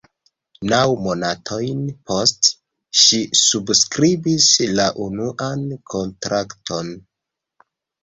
Naŭ monatojn poste, ŝi subskribis la unuan kontrakton.